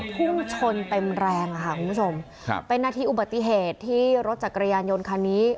พุ่งชนเต็มแรงอะค่ะคุณผู้ชมครับเป็นนาทีอุบัติเหตุที่รถจักรยานยนต์คันนี้